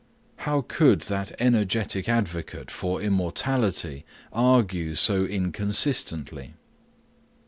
How could that energetic advocate for immortality argue so inconsistently?